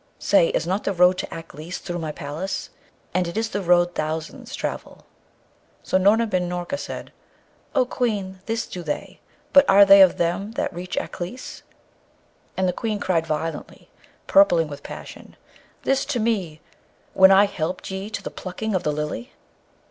Say, is not the road to Aklis through my palace? And it is the road thousands travel.' So Noorna bin Noorka said, 'O Queen, this do they; but are they of them that reach Aklis?' And the Queen cried violently, purpling with passion, 'This to me! when I helped ye to the plucking of the Lily?'